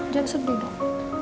jangan sedih dong